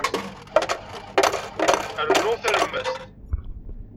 Rnu talemmast.